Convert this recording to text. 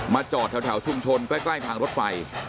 จอดแถวชุมชนใกล้ทางรถไฟ